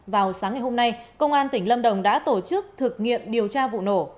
vào sáng ngày hôm nay công an tỉnh lâm đồng đã tổ chức thực nghiệm điều tra vụ nổ